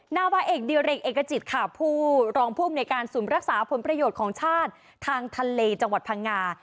นาวาเอกดิเรกเอกจิตค่ะผู้รองผู้อำนวยการศูนย์รักษาผลประโยชน์ของชาติทางทะเลจังหวัดพังงา